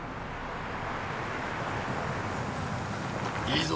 いいぞ！